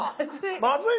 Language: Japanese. まずい。